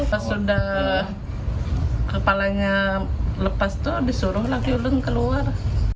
pas sudah kepalanya lepas itu habis suruh laki ulen keluar